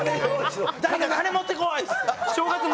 誰か鐘持ってこい！